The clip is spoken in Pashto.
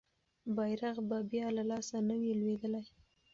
بیرغ به بیا له لاسه نه وي لویدلی.